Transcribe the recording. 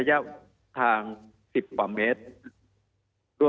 มีความรู้สึกว่ามีความรู้สึกว่า